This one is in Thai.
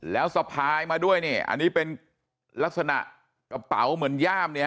แล้วสะพายมาด้วยอันนี้เป็นลักษณะกระเป๋าเหมือนย่าม